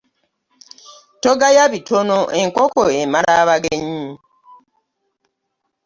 Togaya bitona enkoko emala abagenyi .